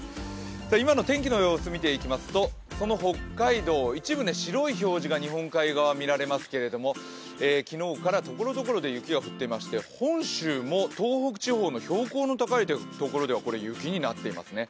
今の天気の様子を見ていきますと、その北海道、一部白い表示が日本海側見られますけれども昨日からところどころで雪が降っていまして本州も東北地方の標高の高いところでは雪になっていますね。